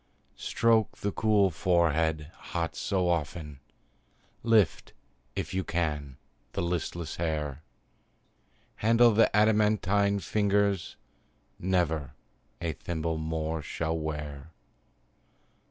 Stroke the cool forehead, hot so often, Lift, if you can, the listless hair; Handle the adamantine fingers Never a thimble more shall wear.